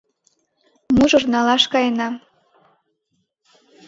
Мужыр налаш каена.